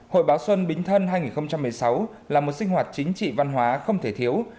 hội báo xuân bính thân hai nghìn một mươi sáu là một sinh hoạt chính trị văn hóa không thể thiếu